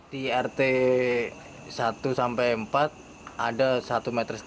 di rt satu sampai empat ada satu meter